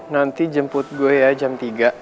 nanti jemput gue ya jam tiga